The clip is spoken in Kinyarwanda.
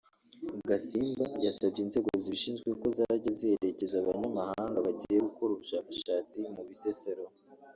Gasimba yasabye inzego zibishinzwe ko zajya ziherekeza Abanyamahanga bagiye gukora ubushakashatsi mu Bisesero